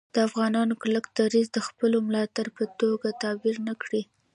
د افغانانو کلک دریځ د خپل ملاتړ په توګه تعبیر نه کړي